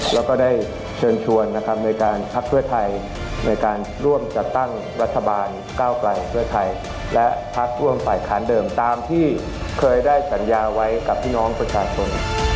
แล้วก็ได้เชิญชวนนะครับในการพักเพื่อไทยในการร่วมจัดตั้งรัฐบาลก้าวไกลเพื่อไทยและพักร่วมฝ่ายค้านเดิมตามที่เคยได้สัญญาไว้กับพี่น้องประชาชน